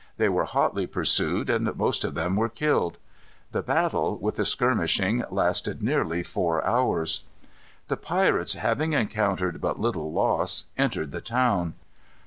They were hotly pursued, and most of them were killed. The battle, with the skirmishing, lasted nearly four hours. The pirates, having encountered but little loss, entered the town.